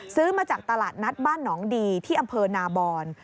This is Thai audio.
ซื้อมาจากตลาดนัดบ้านหนองดีที่อำเภอนาบอน